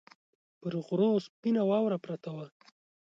پر غرو سپینه واوره پرته وه